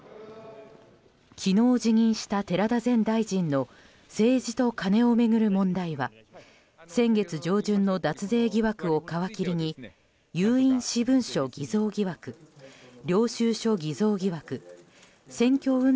昨日、辞任した寺田前大臣の政治とカネを巡る問題は先月上旬の脱税疑惑を皮切りに有印私文書偽造疑惑領収書偽造疑惑選挙運